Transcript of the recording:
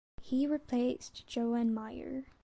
He replaced Johann Meier.